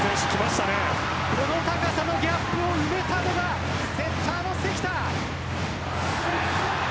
この高さのギャップを埋めたのはセッターの関田。